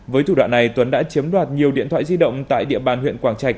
với thủ đoạn này tuấn đã chiếm đoạt nhiều điện thoại di động tại địa bàn huyện quảng trạch